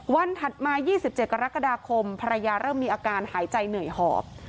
ถัดมา๒๗กรกฎาคมภรรยาเริ่มมีอาการหายใจเหนื่อยหอบ